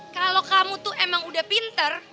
kalau kamu tuh emang udah pinter